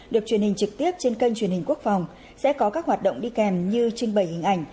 được truyền hình trực tiếp trên kênh truyền hình quốc phòng sẽ có các hoạt động đi kèm như trưng bày hình ảnh